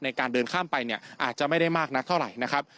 ในการเดินข้ามไปเนี่ยอาจจะไม่ได้มากนักเท่าไหร่นะครับ